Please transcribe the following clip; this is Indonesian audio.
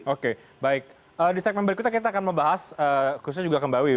oke baik di segmen berikutnya kita akan membahas khususnya juga mbak wiwi